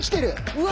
うわ！